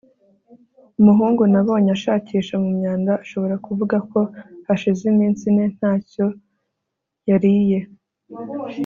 Umuhungu nabonye ashakisha mu myanda ashobora kuvuga ko hashize iminsi ine ntacyo yariye